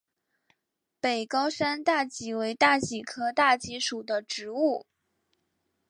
北高山大戟为大戟科大戟属的植物。